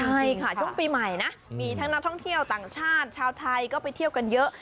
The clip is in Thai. ใช่ค่ะช่วงปีใหม่นะมีทั้งนักท่องเที่ยวต่างชาติชาวไทยก็ไปเที่ยวกันเยอะ